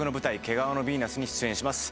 「毛皮のヴィーナス」に出演します